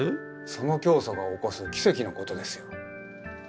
その教祖が起こす奇跡のことですよ。